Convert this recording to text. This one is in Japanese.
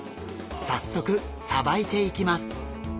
早速さばいていきます！